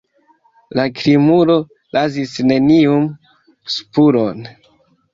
La krimulo lasis neniun spuron.